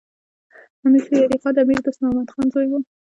امیر شیر علی خان د امیر دوست محمد خان زوی دی.